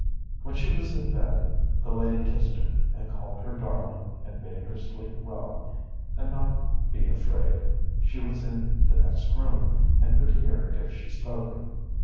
When she was in bed the lady kissed her, and called her darling, and bade her sleep well, and not be afraid, she was in the next room, and could hear if she spoke.